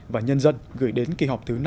và nhân dân gửi đến kỳ họp thứ năm